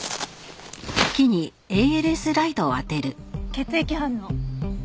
血液反応。